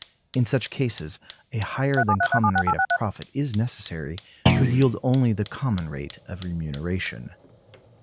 In such cases a higher than common rate of profit is necessary to yield only the common rate of remuneration.